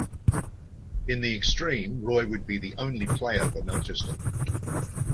In the extreme, Roy would be the only player for Melchester.